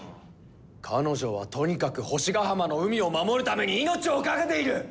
彼女はとにかく星ヶ浜の海を守るために命を懸けている！